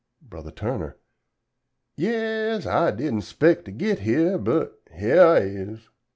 Bro. Turner "Yes, I didn' 'spect to git here but here I is!"